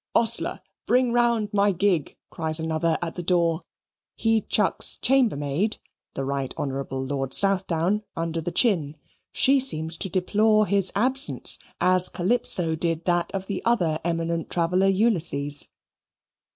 "Ostler, bring round my gig," cries another at the door. He chucks Chambermaid (the Right Honourable Lord Southdown) under the chin; she seems to deplore his absence, as Calypso did that of that other eminent traveller Ulysses.